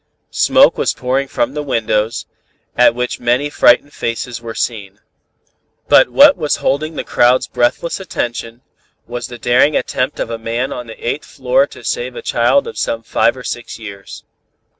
Smoke was pouring from the windows, at which many frightened faces were seen. "But what was holding the crowd's breathless attention, was the daring attempt of a man on the eighth floor to save a child of some five or six years.